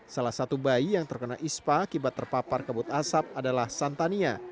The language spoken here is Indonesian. salah satu bayi yang terkena ispa akibat terpapar kabut asap adalah santania